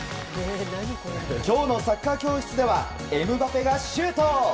今日のサッカー教室ではエムバペがシュート！